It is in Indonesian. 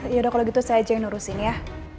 yaudah kalau gitu saya aja yang ngurusin ya